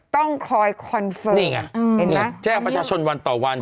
ต้องคอยคอนเฟิร์มนี่ไงแจ้งประชาชนวันต่อวัน